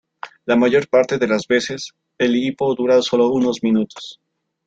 La mayor parte de las veces, el hipo dura solo unos minutos.